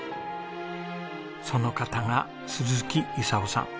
その方が鈴木伊佐雄さん。